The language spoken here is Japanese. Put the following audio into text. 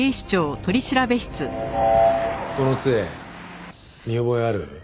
この杖見覚えある？